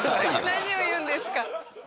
何を言うんですか。